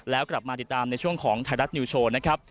แล้วกลับมาติดตามในช่วงของไทยรัฐนิวโชว์นะครับ